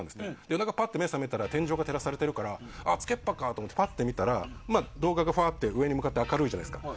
夜中にパッと目が覚めたら天井が照らされているからつけっぱかと思ってパッと見たら動画が上に向かって明るいじゃないですか。